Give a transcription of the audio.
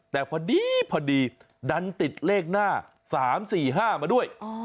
แต่พอดีดันติดเลขหน้า๓๔๕มาด้วย